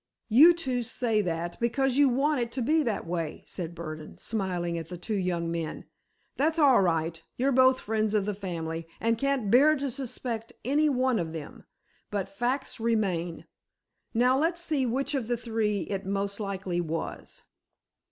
"You two say that, because you want it to be that way," said Burdon, smiling at the two young men. "That's all right—you're both friends of the family, and can't bear to suspect any one of them. But facts remain. Now, let's see which of the three it most likely was."